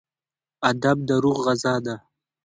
ادب د روح غذا ده.